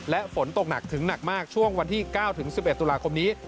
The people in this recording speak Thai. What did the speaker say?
และฝนตกหนักถึงหนักมากช่วงวันที่๙๑๑ตุลาคมนี้